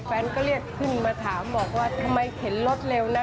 แฟนก็เรียกขึ้นมาถามบอกว่าทำไมเข็นรถเร็วนะ